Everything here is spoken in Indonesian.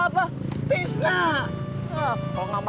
buat books apa